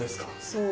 そう。